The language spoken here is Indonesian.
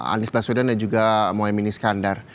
anies baswedan dan juga mohaimin iskandar